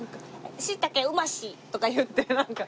「しいたけうまし」とか言ってなんか。